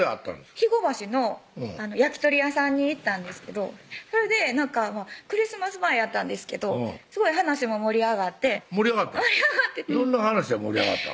肥後橋の焼き鳥屋さんに行ったんですけどそれでクリスマス前やったんですけどすごい話も盛り上がって盛り上がったどんな話で盛り上がったん？